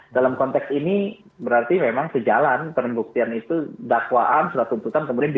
dalam konteks ini berarti memang sejalan penbuktian itu dakwaan setelah tuntutan kemudian dikontrol